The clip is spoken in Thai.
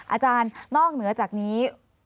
อาจารย์นอกเหนือจากนี้